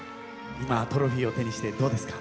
今トロフィーを手にしてどうですか？